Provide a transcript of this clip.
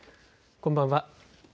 こんばんは。